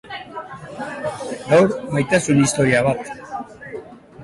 Gaur, maitasun historia bat.